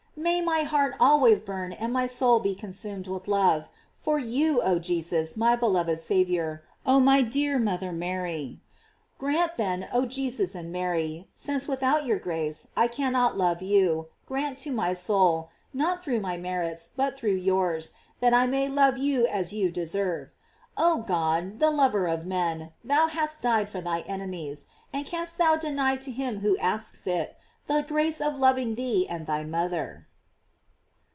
J May my heart always burn and my soul be consumed with love for you, oh Jesus, my beloved Saviour, oh my dear mother Mary. Grant then, oh Jesus and Mary, since without your grace I cannot love you, grant to my soul, not through my merits, but through yours, that I may love you as you deserve. Oh, God! the lover of men, thou hast died for thy enemies, and canst thou deny to him who asks it, the grace of loving thee and thy mother?